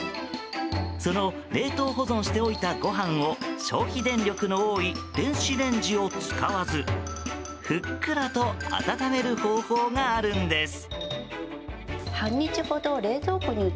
その冷凍保存しておいたご飯を消費電力の多い電子レンジを使わずふっくらと温める方法があるんです。